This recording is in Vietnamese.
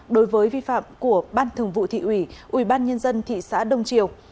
đối với vi phạm của ban thường vụ thị ủy ủy ban nhân dân thị xã đông triều